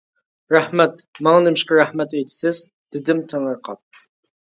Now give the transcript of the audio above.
— رەھمەت. ماڭا نېمىشقا رەھمەت ئېيتىسىز؟ — دېدىم تېڭىرقاپ.